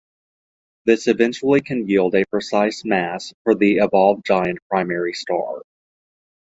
This eventually can yield a precise mass for the evolved giant primary star.